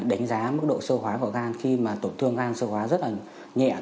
đánh giá mức độ sâu hóa của gan khi mà tổn thương gan sơ hóa rất là nhẹ